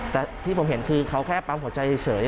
แต่ที่ผมเห็นคือเขาแค่ปั๊มหัวใจเฉย